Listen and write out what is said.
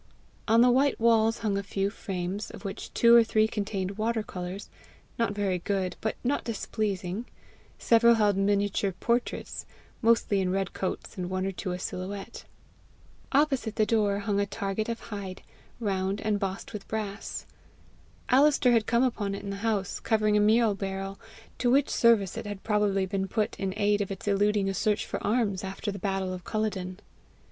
On the white walls hung a few frames, of which two or three contained water colours not very good, but not displeasing; several held miniature portraits mostly in red coats, and one or two a silhouette. Opposite the door hung a target of hide, round, and bossed with brass. Alister had come upon it in the house, covering a meal barrel, to which service it had probably been put in aid of its eluding a search for arms after the battle of Culloden.